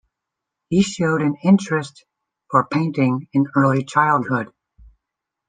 He showed an interest for painting in early childhood.